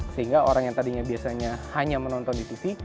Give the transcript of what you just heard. sehingga orang yang tadinya biasanya hanya menonton di tv